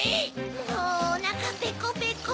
もうおなかペコペコ。